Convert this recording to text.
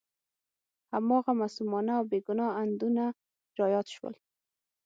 هماغه معصومانه او بې ګناه اندونه را یاد شول.